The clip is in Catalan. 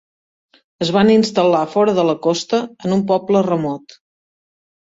Es van instal·lar fora de la costa en un poble remot.